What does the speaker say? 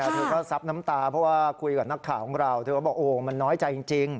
เธอก็ซับน้ำตาเพราะว่าคุยกับนักข่าวของเราเธอก็บอกโอ้มันน้อยใจจริง